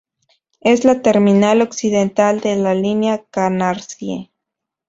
Es la terminal occidental de la línea Canarsie.